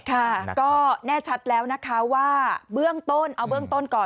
ค่ะก็แน่ชัดแล้วนะคะว่าเบื้องต้นเอาเบื้องต้นก่อน